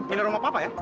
ini rumah papa ya